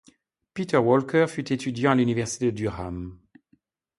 Peter Walker fut étudiant à l'université de Durham.